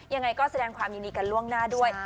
ยังไงก็แสดงความยินดีกันล่วงหน้าด้วย